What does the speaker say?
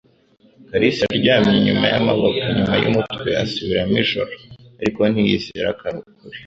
Kalisa aryamye inyuma y'amaboko inyuma y'umutwe, asubiramo ijoro, ariko ntiyizera ko ari ukuri